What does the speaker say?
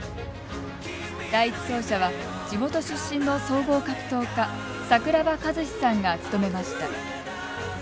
第１走者は地元出身の総合格闘家桜庭和志さんが務めました。